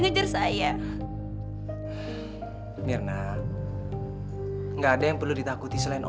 iya udah kamu ngumpet aja sana